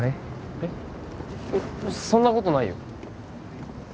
えっそんなことないよ